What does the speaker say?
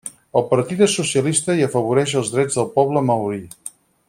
El partit és socialista i afavoreix els drets del poble maori.